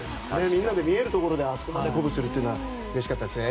みんな見えるところであそこで鼓舞するというのはうれしかったですね。